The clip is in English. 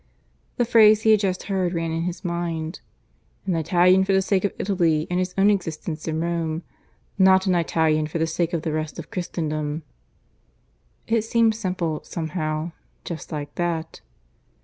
The phrase he had just heard ran in his mind. "An Italian for the sake of Italy and his own existence in Rome. Not an Italian for the sake of the rest of Christendom." It seemed simple, somehow, just like that.